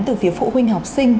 từ phía phụ huynh học sinh